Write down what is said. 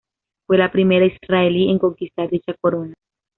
Fue la primera israelí en conquistar dicha corona.